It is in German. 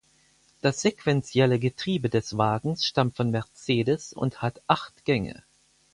Das sequentielle Getriebe des Wagens stammt von Mercedes und hat acht Gänge.